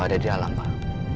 fajar gak ada di dalam pak